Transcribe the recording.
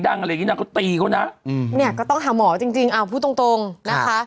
พูดตรงนะคะ